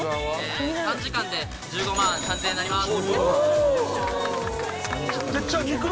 ３時間で１５万３，０００円になります。